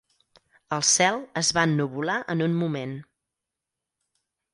El cel es va ennuvolar en un moment.